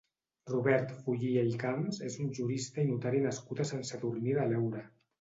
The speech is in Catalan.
Robert Follia i Camps és un jurista i notari nascut a Sant Sadurní de l'Heura.